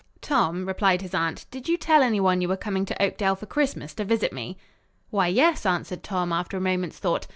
"Tom," replied his aunt, "did you tell anyone you were coming to Oakdale for Christmas to visit me!" "Why, yes," answered Tom after a moment's thought.